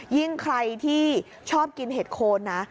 ยิ่งใครที่ชอบกินเห็ดโคนนะ